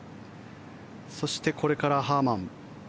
そして、これからハーマン。